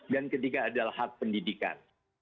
dan ketiga adalah hak pendidikan